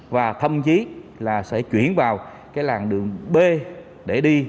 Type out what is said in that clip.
và thậm chí là sẽ chuyển vào cái làng đường b để đi